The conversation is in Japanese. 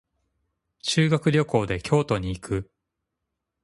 修学旅行で京都に行く。